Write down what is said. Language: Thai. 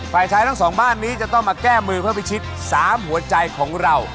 ฝ่ายชายทั้งสองบ้านนี้จะต้องมาแก้มือเพื่อพิชิต๓หัวใจของเรา